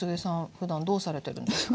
ふだんどうされてるんですか？